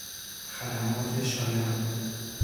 خدمات شایان